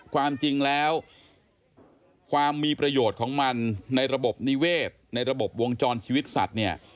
ความจริงแล้วความมีประโยชน์ของมันในระบบนิเวศในระบบวงจรชีวิตสัตว์เนี่ย